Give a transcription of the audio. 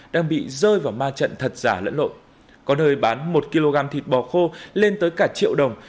đang bị rơi vào ma trận thật giả lẫn lộn có nơi bán một kg thịt bò khô lên tới cả triệu đồng